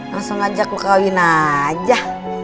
langsung ajak lo kawin aja